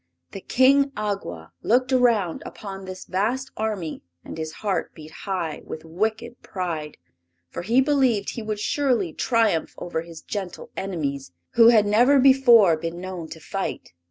The King Awgwa looked around upon this vast army and his heart beat high with wicked pride, for he believed he would surely triumph over his gentle enemies, who had never before been known to fight.